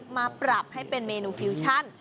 มาปรับให้เป็นเมนูฟิวชั่น